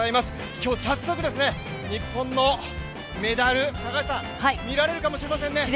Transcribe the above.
今日、早速、日本のメダル、見られるかもしれませんね！